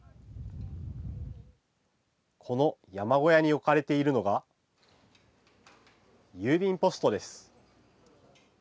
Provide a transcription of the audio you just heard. この山小屋に置かれているのが、郵便ポストです。